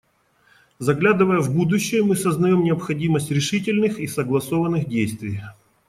Заглядывая в будущее, мы сознаем необходимость решительных и согласованных действий.